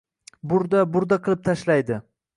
burda-burda qilib tashlaydi!